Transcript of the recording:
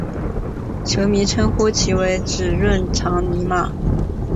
球迷称呼其为孖润肠尼马。